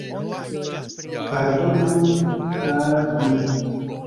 Pardonu al ni!